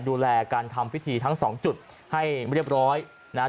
ดูแลการทำพิธีทั้งสองจุดให้เรียบร้อยนะฮะ